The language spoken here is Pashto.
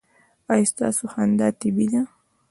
ایا ستاسو خندا طبیعي ده؟